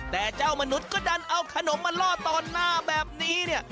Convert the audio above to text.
แต่เจ้ามนุษย์ก็ดันเอาขนมมาล่อตอนหน้าแบบนี้เนี่ย